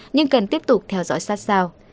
nhưng cần tiếp tục theo dõi sát sao